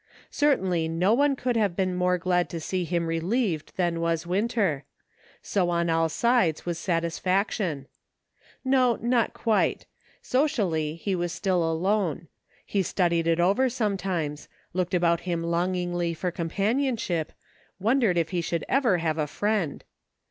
Certainly no one could have been more glad to see him relieved than was Winter ; so on all sides was satisfaction. No, not quite ; socially, he was still alone. He studied over it sometimes ; looked about him longingly for companionship, wondered if he should ever have a friend.